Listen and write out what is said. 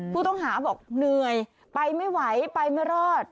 ผู้ต้องหาบอกเหนื่อยไปไม่ไหวไปไม่รอด